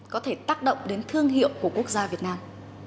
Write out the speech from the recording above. có thể tác động đến thương hiệu của quốc gia việt nam